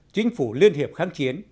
chính phủ liên hiệp kháng chiến